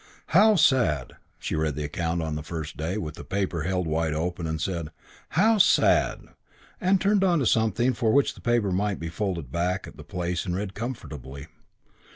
"How sad!" She read the account, on the first day, with the paper held up wide open and said "How sad!" and turned on to something for which the paper might be folded back at the place and read comfortably.